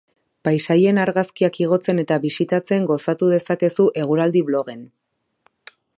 Paisaien argazkiak igotzen eta bisitatzen gozatu dezakezu eguraldiblogen.